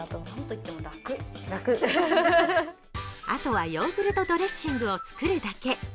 あとはヨーグルトドレッシングを作るだけ。